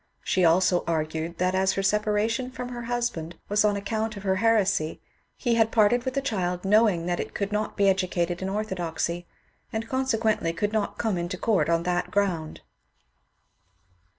She also argued that as her separation from her husband was on account of her heresy, he had parted with the child knowing that it could not be educated in orthodoxy, and consequently could not oome into court on that ground.